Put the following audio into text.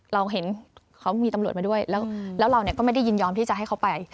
เราเห็นเขามีตำรวจมาด้วยแล้วเราก็ไม่ได้ยินยอมที่จะให้เขาไป